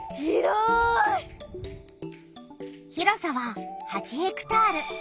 広さは８ヘクタール。